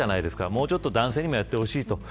もうちょっと男性にも、やってほしいと。